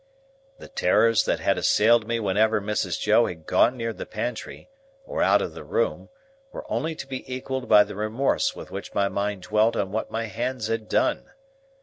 The terrors that had assailed me whenever Mrs. Joe had gone near the pantry, or out of the room, were only to be equalled by the remorse with which my mind dwelt on what my hands had done.